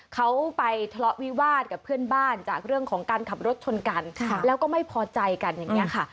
เขาไปทะเลาะวิวาสกับเพื่อนบ้านจากเรื่องของการขับรถชนกันแล้วก็ไม่พอใจกันอย่างนี้ค่ะ